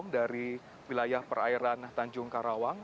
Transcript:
dari wilayah perairan tanjung karawang